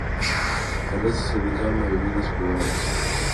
El resto se dedicaron a viviendas privadas.